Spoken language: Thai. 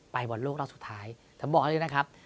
ไปบอลโลกเราสุดท้ายถ้าบอกได้เลยนะครับ